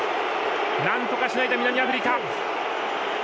なんとかしのいだ、南アフリカ。